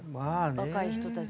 若い人たち。